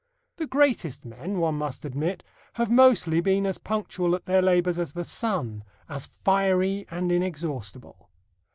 The greatest men, one must admit, have mostly been as punctual at their labours as the sun as fiery and inexhaustible.